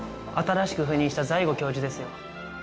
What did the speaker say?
新しく赴任した財後教授ですよ。